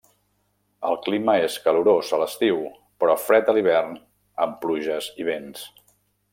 El clima és calorós a l'estiu, però fred a l'hivern amb pluges i vents.